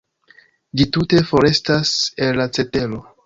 Ĝi tute forestas el la cetero.